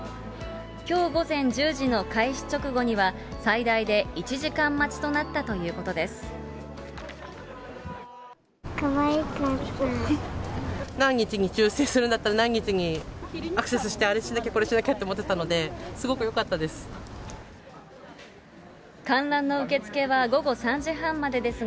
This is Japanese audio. きょう午前１０時の開始直後には、最大で１時間待ちとなったということです。